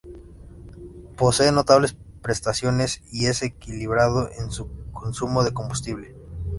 Posee notables prestaciones y es equilibrado en su consumo de combustible.